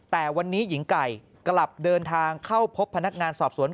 แต่วันนี้หญิงไก่กลับเดินทางเข้าพบพนักงานสอบสวน